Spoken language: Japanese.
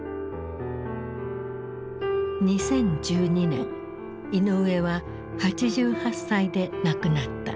２０１２年イノウエは８８歳で亡くなった。